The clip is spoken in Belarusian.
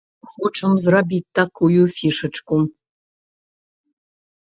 Хочам зрабіць такую фішачку.